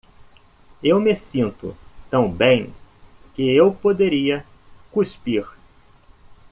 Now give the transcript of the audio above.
Eu me sinto tão bem que eu poderia cuspir.